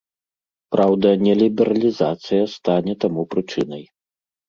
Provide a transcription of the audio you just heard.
Праўда, не лібералізацыя стане таму прычынай.